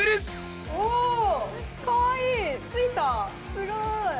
すごい。